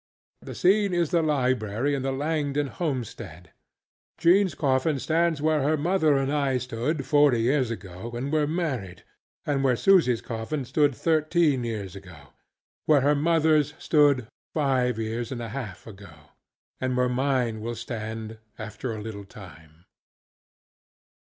The scene is the library in the Langdon homestead. JeanŌĆÖs coffin stands where her mother and I stood, forty years ago, and were married; and where SusyŌĆÖs coffin stood thirteen years ago; where her motherŌĆÖs stood five years and a half ago; and where mine will stand after a little time.